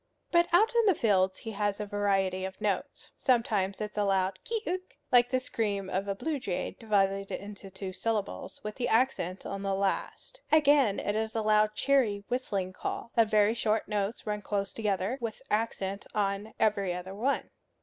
But out in the fields he has a variety of notes. Sometimes it is a loud kee uk, like the scream of a blue jay divided into two syllables, with the accent on the last. Again it is a loud cheery whistling call, of very short notes run close together, with accent on every other one.